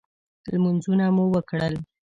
لمنځونه مو وکړل.